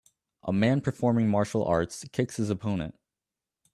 A man performing martial arts kicks his opponent